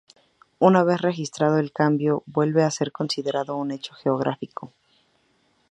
Una vez registrado el cambio vuelve a ser considerado un hecho geográfico.